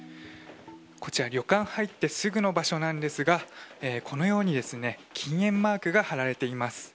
旅館に入ってすぐの場所なんですがこのように禁煙マークが貼られています。